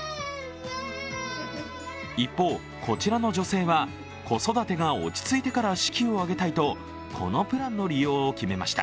一方、こちらの女性は、子育てが落ち着いてから式を挙げたいとこのプランの利用を決めました。